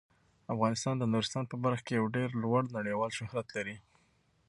افغانستان د نورستان په برخه کې یو ډیر لوړ نړیوال شهرت لري.